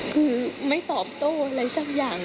คือไม่ตอบโต้อะไรสักอย่าง